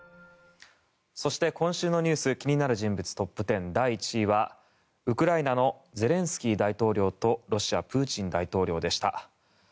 そして今週の気になる人物トップ１０第１位は、ウクライナのゼレンスキー大統領とロシア、プーチン大統領でした。